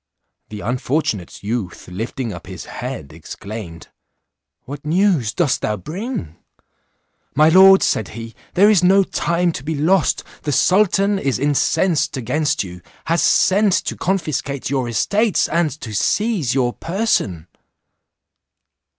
The unfortunate youth lifting up his head, exclaimed, "What news dost thou bring?" "My lord," said he, "there is no time to be lost; the sultan is incensed against you, has sent to confiscate your estates, and to seize your person."